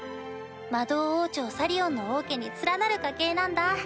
魔導王朝サリオンの王家に連なる家系なんだ。